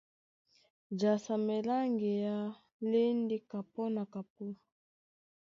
Jasamɛ lá ŋgeá lá e ndé kapɔ́ na kapɔ́,